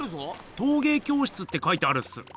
「とうげい教室」って書いてあるっす。